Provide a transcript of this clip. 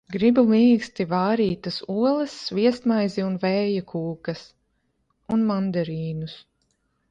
Gribu mīksti vārītas olas, sviestmaizi un vēja kūkas... Un mandarīnus...